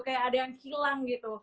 kayak ada yang hilang gitu